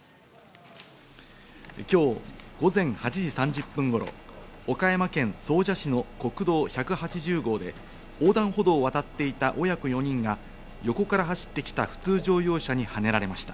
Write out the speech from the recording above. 今日午前８時３０分頃、岡山県総社市の国道１８０号で横断歩道を渡っていた親子４人が横から走ってきた普通乗用車にはねられました。